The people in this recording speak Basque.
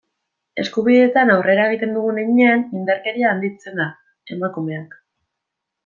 Eskubideetan aurrera egiten dugun heinean, indarkeria handitzen da, emakumeak.